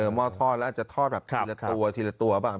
หม้อทอดแล้วอาจจะทอดแบบทีละตัวบ้าง